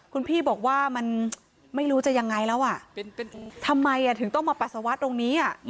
คุณพี่บอกว่ามันไม่รู้จะยังไงแล้วทำไมถึงต้องมาปัสสาวะตรงนี้